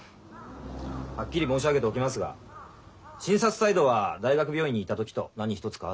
はっきり申し上げておきますが診察態度は大学病院にいた時と何一つ変わっておりません。